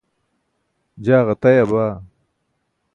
jaa ġataya baa